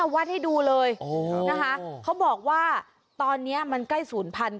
วัดให้ดูเลยนะคะเขาบอกว่าตอนนี้มันใกล้ศูนย์พันธุ